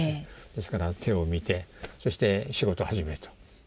ですから手を見てそして「仕事始め」と。